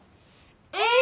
うん！